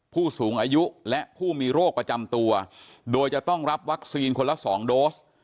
ผู้สูงอายุและผู้มีโรคประจำตัวโดยจะต้องรับวัคซีนคนละ๒โดส